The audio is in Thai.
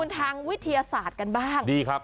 ทางวิทยาศาสตร์กันบ้างดีครับ